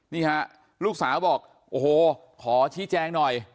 นี่ฮะลูกสาวบอกโอ้โหขอชี้แจงหน่อย